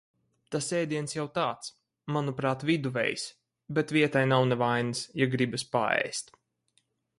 Tas ēdiens jau tāds, manuprāt, viduvējs, bet vietai nav ne vainas, ja gribas paēst.